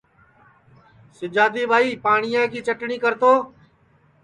سِجادی ٻائی پاٹِؔیا کی چٹٹؔیں کرتو